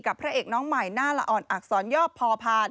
พระเอกน้องใหม่หน้าละอ่อนอักษรยอบพอพาน